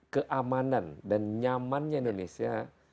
keamanan dan nyamannya indonesia